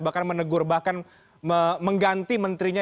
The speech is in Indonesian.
bahkan menegur bahkan mengganti menterinya